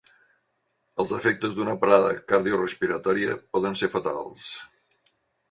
Els efectes d'una parada cardiorespiratòria poden ser fatals.